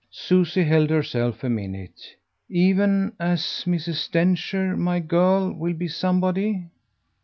Susie held herself a minute. "Even as Mrs. Densher my girl will be somebody."